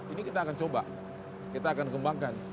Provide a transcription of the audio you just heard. ini kita akan coba kita akan kembangkan